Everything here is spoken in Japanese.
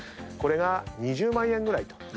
これが２０万円ぐらいと。